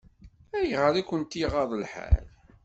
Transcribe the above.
Ayɣer i kent-iɣaḍ lḥal?